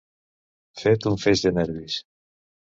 Fet un feix de nervis.